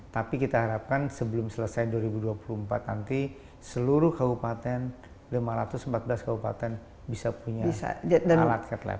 tapi kita harapkan sebelum selesai dua ribu dua puluh empat nanti seluruh kabupaten lima ratus empat belas kabupaten bisa punya alat cat lab